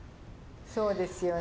そうですよね。